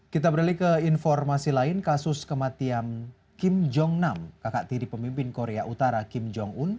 kita beralih ke informasi lain kasus kematian kim jong nam kakak tiri pemimpin korea utara kim jong un